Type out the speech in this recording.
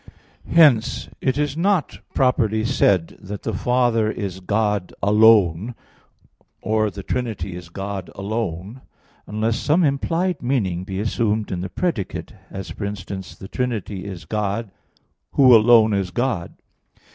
Hence it is not properly said that the Father is God alone, or the Trinity is God alone, unless some implied meaning be assumed in the predicate, as, for instance, "The Trinity is God Who alone is God."